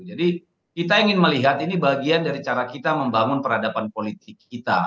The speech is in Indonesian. jadi kita ingin melihat ini bagian dari cara kita membangun peradaban politik